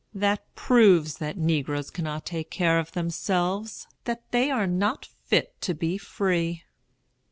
That proves that negroes cannot take care of themselves, that they are not fit to be free."